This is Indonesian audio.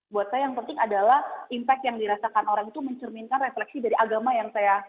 buat saya yang penting adalah impact yang dirasakan orang itu mencerminkan refleksi dari agama yang saya